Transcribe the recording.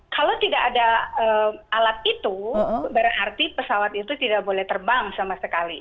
kalau tidak ada alat itu berarti pesawat itu tidak boleh terbang sama sekali